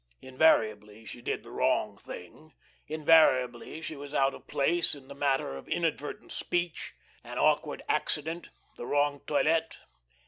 Invariably she did the wrong thing; invariably she was out of place in the matter of inadvertent speech, an awkward accident, the wrong toilet.